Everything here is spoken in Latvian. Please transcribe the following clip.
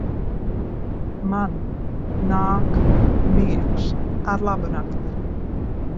Man. Nāk. Miegs. Arlabunakti!